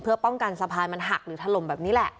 เพื่อป้องกันสะพานมันหักหรือถล่มแบบนี้แหละ